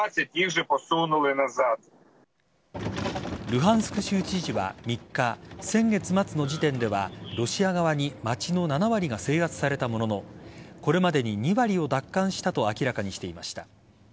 ルハンスク州知事は３日先月末の時点ではロシア側に街の７割が制圧されたもののこれまでに２割を奪還したと明らかにしていました。